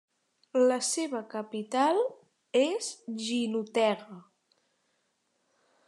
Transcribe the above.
La seva capital és Jinotega.